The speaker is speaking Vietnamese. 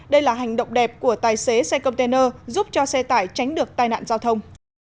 đây là hành động đẹp của tài xế xe container giúp cho xe tải tránh được tai nạn giao thông